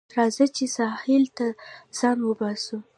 راځه چې ساحل ته ځان وباسو